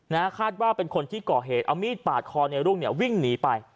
คาดว่าเป็นคนที่ก่อเหตุเอามีดปาดคอในรุ่งเนี่ยวิ่งหนีไป